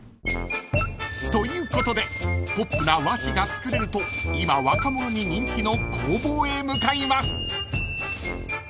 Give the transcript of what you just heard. ［ということでポップな和紙が作れると今若者に人気の工房へ向かいます］